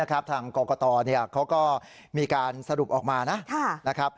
ทางกรกตเขาก็มีการสรุปออกมานะครับ